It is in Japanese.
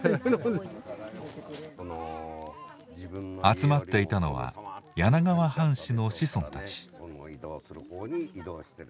集まっていたのは柳川藩士の子孫たち。